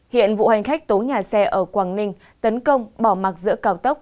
hiện vụ hành khách tố nhà xe ở quảng ninh tấn công bỏ mặt giữa cao tốc